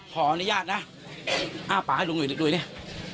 พออนุญาตนะอ้าป่าให้ลุงหนูอีกด้วยเนี้ย